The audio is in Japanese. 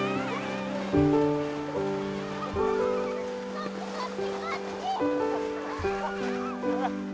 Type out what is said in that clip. こっちこっちこっち。